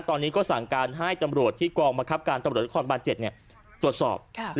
ตอนนี้ก็สั่งการให้ตำรวจที่กรองมะครับการตำรวจที่ครอนบานเจ็ดเนี่ยตรวจสอบค่ะ